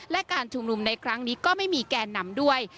และการชุมนุมในครั้งนี้ก็ไม่มีแกนนำด้วย